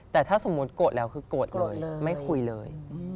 แต่ถ้าสมมุติโกรธแล้วคือโกรธเลยไม่คุยเลย